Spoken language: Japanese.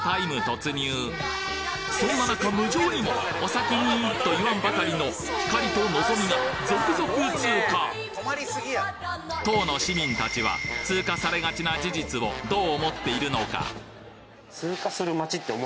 そんな中無常にも「お先に」と言わんばかりのひかりとのぞみが続々通過当の市民たちは通過されがちな事実をどう思っているのか？